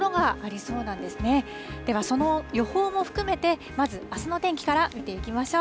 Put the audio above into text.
その予報も含めて、まずあすの天気から見ていきましょう。